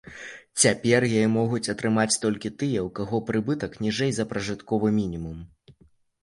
Цяпер яе могуць атрымаць толькі тыя, у каго прыбытак ніжэй за пражытковы мінімум.